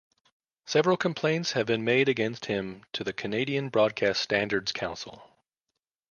Several complaints have been made against him to the Canadian Broadcast Standards Council.